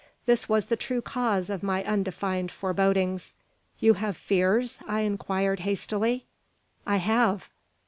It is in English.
This was the true cause of my undefined forebodings. "You have fears?" I inquired, hastily. "I have."